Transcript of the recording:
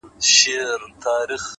هوښیار انتخاب اوږدمهاله ګټه لري.